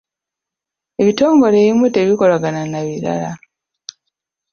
Ebitongole ebimu tebikolagana na birala.